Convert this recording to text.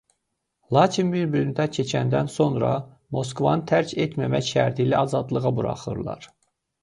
Lakin bir müddət keçəndən sonra onu Moskvanı tərk etməmək şərti ilə azadlığa buraxırlar.